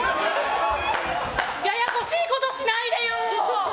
ややこしいことしないでよ！